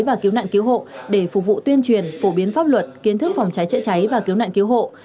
và cứu nạn cứu hộ để phục vụ tuyên truyền phổ biến pháp luật kiến thức phòng cháy chữa cháy và cứu nạn cứu hộ